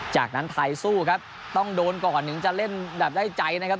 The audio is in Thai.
จากนั้นไทยสู้ครับต้องโดนก่อนถึงจะเล่นแบบได้ใจนะครับ